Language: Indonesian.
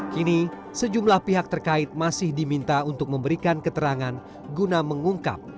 kini sejumlah pihak terkait masih diminta untuk memberikan keterangan guna mengungkap